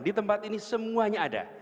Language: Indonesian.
di tempat ini semuanya ada